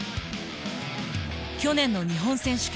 去年の日本選手権。